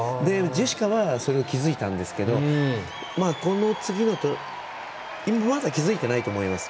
ジェシカはそれを気付いたんですがまだ、気付いてないと思います。